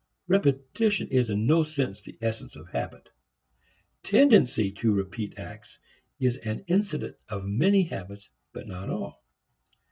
Repetition is in no sense the essence of habit. Tendency to repeat acts is an incident of many habits but not of all.